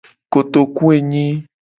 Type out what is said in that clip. Kotokuenyi.